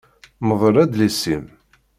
Mdel adlis-im.